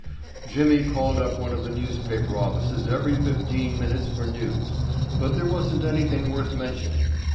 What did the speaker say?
Jimmy called up one of the newspaper offices every fifteen minutes for news, but there wasn't any worth mentioning.